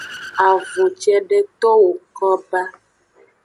Avun cedeto woko ba.